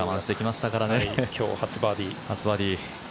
今日、初バーディー。